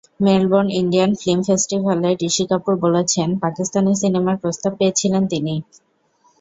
মেলবোর্নে Indian film ফেস্টিভ্যালে ঋষি কাপুর বলেছেন, পাকিস্তানি সিনেমার প্রস্তাব পেয়েছিলেন তিনি।